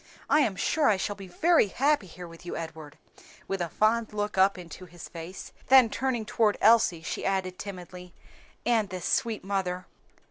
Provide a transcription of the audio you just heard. "I am sure I shall be very happy here with you, Edward," with a fond look up into his face; then turning toward Elsie, she added timidly, "and this sweet mother."